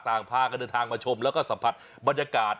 ต่างพากันทางมาชมแล้วก็สัมผัสบรรยากาศ